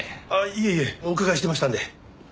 いえいえお伺いしてましたんで。